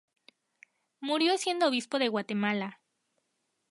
Murió siendo obispo de Guatemala.